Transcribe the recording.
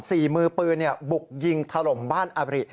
มือปืนบุกยิงถล่มบ้านอบริ